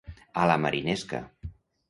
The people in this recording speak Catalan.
A la marinesca.